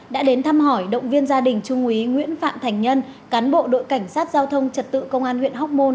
đã đến thăm hỏi động viên gia đình trung úy nguyễn phạm thành nhân cán bộ đội cảnh sát giao thông trật tự công an huyện hóc môn